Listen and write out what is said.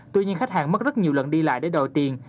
tuy nhiên khách hàng mất rất nhiều lần đi lại để đòi tiền